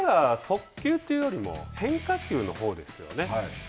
彼は速球というよりも、変化球のほうですよね。